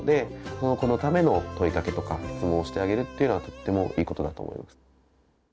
その子のための問いかけとか質問をしてあげるっていうのはとってもいいことだと思います。